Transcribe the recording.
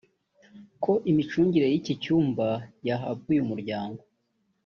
ko imicungire y’iki cyambu yahabwa uyu muryango